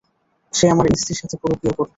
সে আমার স্ত্রীর সাথে পরকিয়া করতো।